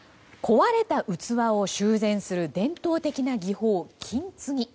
壊れた器を修繕する伝統的な技法金継ぎ。